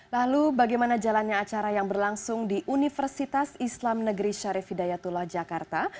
lalu bagaimana jalannya acara yang berlangsung di universitas islam negeri syarif hidayatullah jakarta